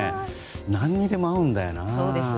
何にでも合うんだよな。